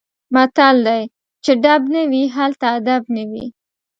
متل دی: چې ډب نه وي هلته ادب نه وي.